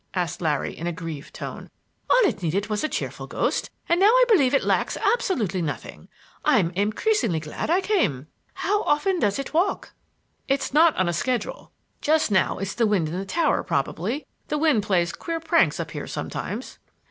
asked Larry, in a grieved tone. "All it needed was a cheerful ghost, and now I believe it lacks absolutely nothing. I'm increasingly glad I came. How often does it walk?" "It's not on a schedule. Just now it's the wind in the tower probably; the wind plays queer pranks up there sometimes."